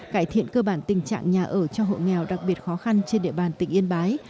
cải thiện cơ bản tình trạng nhà ở cho hộ nghèo đặc biệt khó khăn trên địa bàn tỉnh yên bái